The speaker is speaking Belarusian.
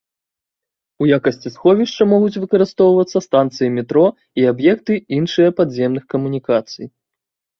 У якасці сховішча могуць выкарыстоўвацца станцыі метро і аб'екты іншыя падземных камунікацый.